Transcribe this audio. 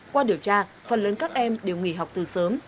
qua điều tra phần lớn các em đều nghỉ học từ sớm